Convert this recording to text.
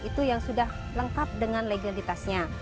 itu yang sudah lengkap dengan legalitasnya